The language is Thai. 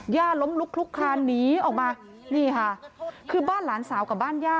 ล้มลุกคลุกคลานหนีออกมานี่ค่ะคือบ้านหลานสาวกับบ้านย่า